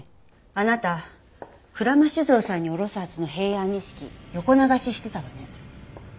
あなた鞍馬酒造さんに卸すはずの平安錦横流ししてたわね？